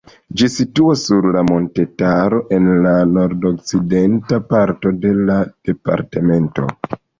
Ĝi situas sur montetaro en la nordokcidenta parto de la departemento.